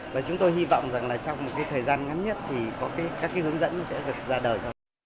và chúng tôi hy vọng rằng là trong một cái thời gian ngắn nhất thì có các cái hướng dẫn sẽ được ra đời